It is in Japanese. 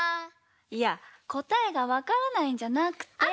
いやこたえがわからないんじゃなくて。